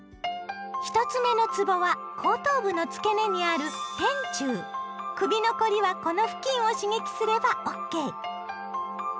１つ目のつぼは後頭部の付け根にある首の凝りはこの付近を刺激すればＯＫ！